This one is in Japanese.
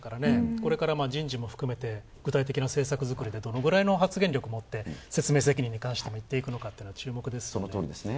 これから人事も含めて具体的な政策作りでどのぐらいの発言力を持って説明責任にもっていくのか注目ですね。